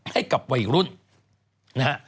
ให้กับวัยรุ่น